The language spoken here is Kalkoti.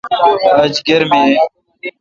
آج گرمی این۔